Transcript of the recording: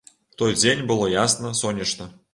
У той дзень было ясна, сонечна.